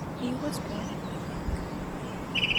He was born in Munich.